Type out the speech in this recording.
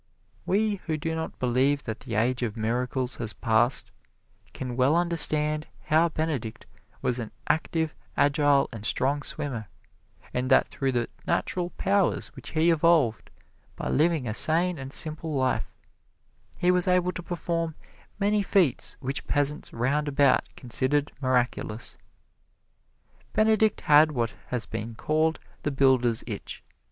We who do not believe that the age of miracles has passed, can well understand how Benedict was an active, agile and strong swimmer, and that through the natural powers which he evolved by living a sane and simple life, he was able to perform many feats which peasants round about considered miraculous. Benedict had what has been called the Builder's Itch.